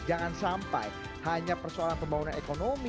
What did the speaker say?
jangan sampai hanya persoalan pembangunan ekonomi